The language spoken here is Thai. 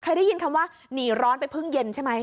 ได้ยินคำว่าหนีร้อนไปเพิ่งเย็นใช่ไหม